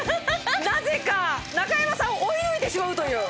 なぜか中山さんを追い抜いてしまうという。